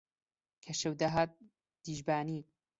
کە شەو داهات دیژبانی